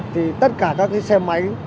thì tất cả các xe máy